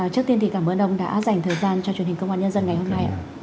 trước tiên thì cảm ơn ông đã dành thời gian cho truyền hình công an nhân dân ngày hôm nay